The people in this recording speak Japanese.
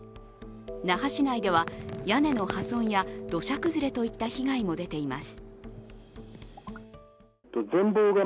那覇市内では屋根の破損や土砂崩れといった被害も出ています。